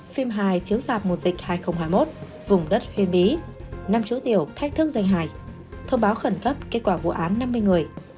phim hai chiếu dạp mùa dịch hai nghìn hai mươi một vùng đất huế bí năm chữ tiểu thách thức danh hài thông báo khẩn cấp kết quả vụ án năm mươi người